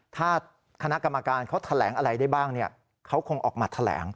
ถ้าคณะกรรมการเขาแถลงอะไรได้บ้างเขาคงออกมาแถลง